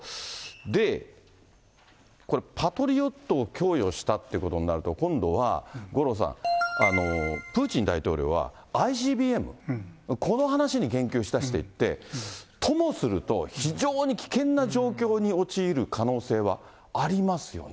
で、これパトリオットを供与したってことになると、今度は五郎さん、プーチン大統領はＩＣＢＭ、この話に言及しだしていて、ともすると非常に危険な状況に陥る可能性はありますよね。